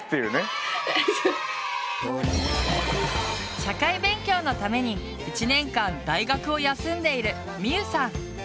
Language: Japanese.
社会勉強のために１年間大学を休んでいるみゆさん。